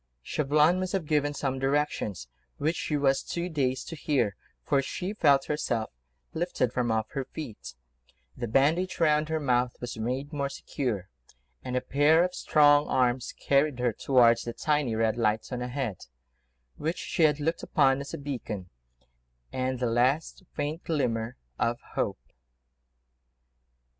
Chauvelin must have given some directions, which she was too dazed to hear, for she felt herself lifted from off her feet: the bandage round her mouth was made more secure, and a pair of strong arms carried her towards that tiny, red light, on ahead, which she had looked upon as a beacon and the last faint glimmer of hope.